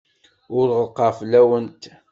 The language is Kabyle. Ur ɣellqeɣ fell-awent.